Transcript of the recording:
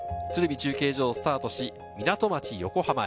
中継所をスタートし、港町・横浜へ。